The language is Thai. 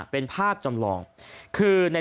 โปรดติดตามต่อไป